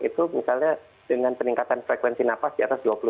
itu misalnya dengan peningkatan frekuensi nafas di atas dua puluh enam